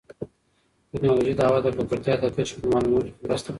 ټیکنالوژي د هوا د ککړتیا د کچې په معلومولو کې مرسته کوي.